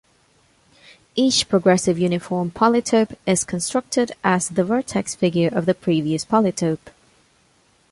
Each progressive uniform polytope is constructed as the vertex figure of the previous polytope.